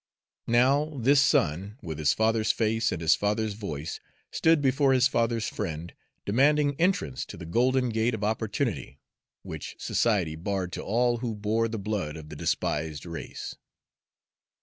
Now, this son, with his father's face and his father's voice, stood before his father's friend, demanding entrance to the golden gate of opportunity, which society barred to all who bore the blood of the despised race.